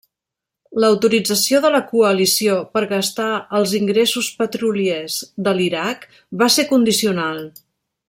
L'autorització de la Coalició per gastar els ingressos petroliers de l'Iraq va ser condicional.